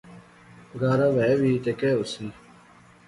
گارا وہے وی تے کہہ ہوسی